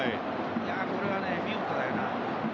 これは見事だよ。